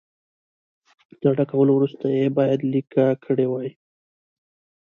تر ډکولو وروسته یې باید لیکه کړي وای.